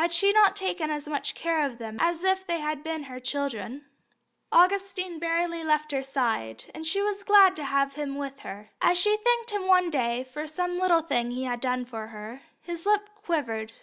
Had she not taken as much care of them as if they had been her children? Augustine scarcely left her side, and she was glad to have him with her. As she thanked him one day for some little thing he had done for her, his lip quivered.